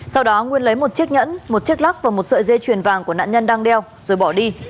sau đó nguyên lấy một chiếc nhẫn một chiếc lắc và một sợi dây chuyền vàng của nạn nhân đang đeo rồi bỏ đi